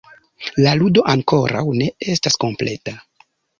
La ludo ankoraŭ ne estas kompleta: